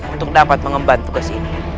untuk dapat mengembantu kesini